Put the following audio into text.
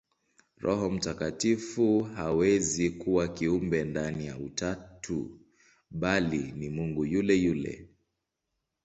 Roho Mtakatifu hawezi kuwa kiumbe ndani ya Utatu, bali ni Mungu yule yule.